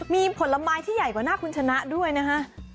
มีผลไม้ที่ใหญ่กว่าหน้าคุณชนะด้วยนะฮะ